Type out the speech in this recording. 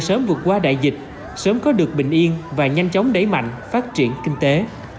sớm vượt qua đại dịch sớm có được bình yên và nhanh chóng đẩy mạnh phát triển kinh tế